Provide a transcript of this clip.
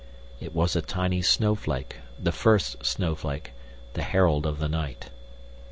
It was a tiny snowflake, the first snowflake, the herald of the night.